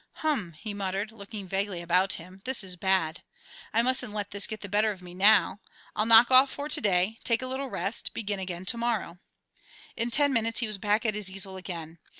"Hum!" he muttered, looking vaguely about him, "this is bad. I mustn't let this get the better of me now. I'll knock off for to day, take a little rest, begin again to morrow." In ten minutes he was back at his easel again.